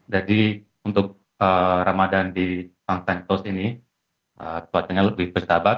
jadi untuk ramadan di san santos ini cuacanya lebih bersahabat